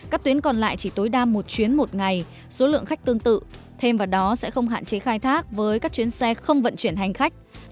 các tuyến còn lại chỉ tối đa một chuyến một ngày số lượng khách tương tự thêm vào đó sẽ không hạn chế khai thác với các chuyến xe không vận chuyển hành khách